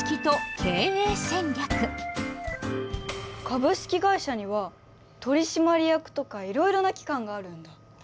株式会社には取締役とかいろいろな機関があるんだ。